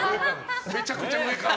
めちゃくちゃ上から！